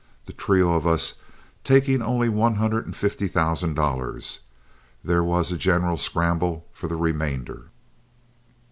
The trio of us taking only one hundred and fifty thousand dollars, there was a general scramble for the remainder.